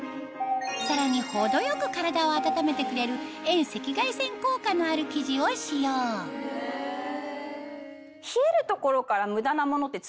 さらに程よく体を温めてくれる遠赤外線効果のある生地を使用え！